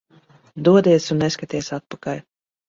Dodies un neskaties atpakaļ.